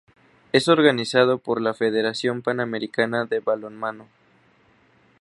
Es organizado por la Federación Panamericana de Balonmano.